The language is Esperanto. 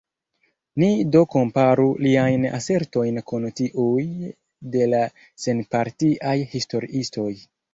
Ni do komparu liajn asertojn kun tiuj de la senpartiaj historiistoj.